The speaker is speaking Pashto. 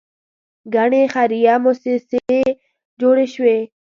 ګڼې خیریه موسسې جوړې شوې.